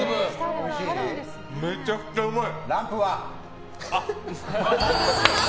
めちゃくちゃうまい。